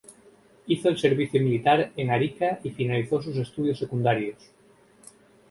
Hizo el servicio militar en Arica y finalizó sus estudios secundarios.